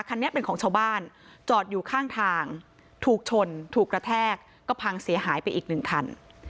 คันนี้เป็นของชาวบ้านจอดอยู่ข้างทางถูกชนถูกกระแทกก็พังเสียหายไปอีกหนึ่งคัน